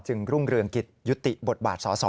จึงรุ่งเรืองกฤทธิ์ยุติบทบาทส่อ